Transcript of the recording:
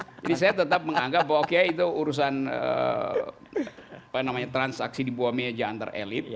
jadi saya tetap menganggap oke itu urusan apa namanya transaksi di bawah meja antar elit